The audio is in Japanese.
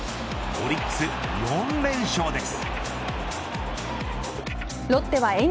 オリックス４連勝です。